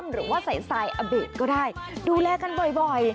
หรือว่าใสอเบสก็ได้ดูแลกันบ่อย